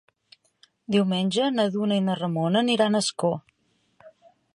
Diumenge na Duna i na Ramona aniran a Ascó.